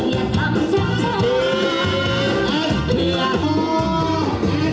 ว่าฉันไปต่อหน้ารู้นะค้า